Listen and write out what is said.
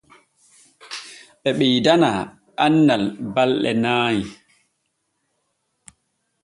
Ɓe ɓeydana annal ɓalɗe nay.